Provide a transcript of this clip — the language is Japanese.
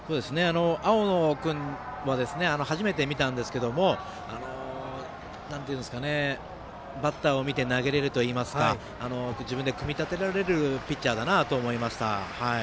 青野君は初めて見たんですけどもバッターを見て投げれるといいますか自分で組み立てられるピッチャーだなと思いました。